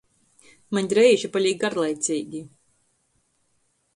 Maņ dreiži palīk garlaiceigi.